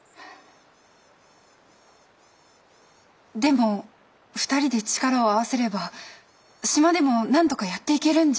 でも２人で力を合わせれば島でもなんとかやっていけるんじゃ。